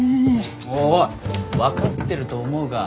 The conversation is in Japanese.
おいおい分かってると思うが。